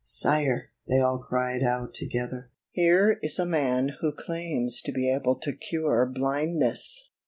"Sire," they all cried out together, "here is a man who claims to be able to cure blindness."